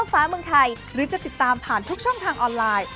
เอามาพากันต่อดีกว่า